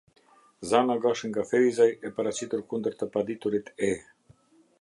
Zana Gashi nga Ferizaj, e paraqitur kundër të paditurit E.